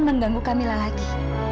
mengganggu kamila lagi